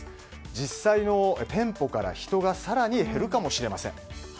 実際の店舗から人が更に減るかもしれません。